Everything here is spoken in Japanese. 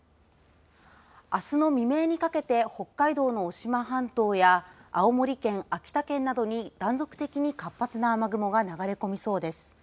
あすの未明にかけて北海道の渡島半島や青森県、秋田県などに断続的に活発な雨雲が流れ込みそうです。